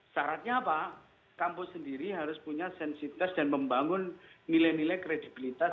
syaratnya apa kampus sendiri harus punya sensitifitas dan membangun nilai nilai kredibilitas